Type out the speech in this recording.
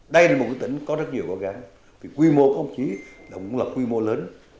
đây là một tỉnh có rất nhiều cố gắng vì quy mô của ông chí cũng là quy mô lớn